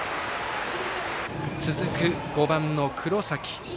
続く５番の黒崎。